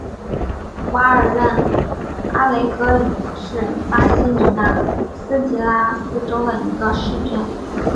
瓦尔任阿雷格里是巴西米纳斯吉拉斯州的一个市镇。